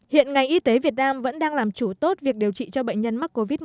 hiện ngành y tế việt nam vẫn đang làm chủ tốt việc điều trị cho bệnh nhân mắc covid một mươi chín